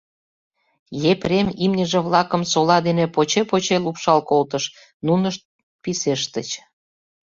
Епрем имньыже-влакым сола дене поче-поче лупшал колтыш, нунышт писештыч.